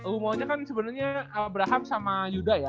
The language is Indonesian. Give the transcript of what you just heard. rumahnya kan sebenernya abraham sama yudha ya